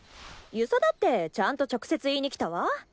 遊佐だってちゃんと直接言いに来たわ。